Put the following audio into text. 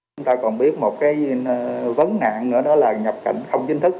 chúng ta còn biết một cái vấn nạn nữa đó là nhập cảnh không chính thức